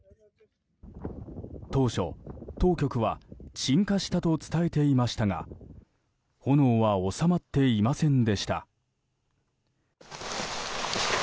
当初、当局は鎮火したと伝えていましたが炎は収まっていませんでした。